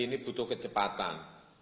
ini butuh kecepatan